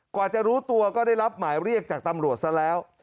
กว่าจะรู้ตัวก็ได้รับหมายเรียกจากตำรวจซะแล้ว